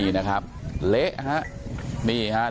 นะครับเละ